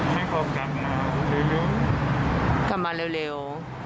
ให้ผมกลับมาเร็วเร็วกลับมาเร็วเร็ว